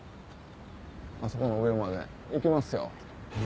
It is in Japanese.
あそこの上まで行きますよ。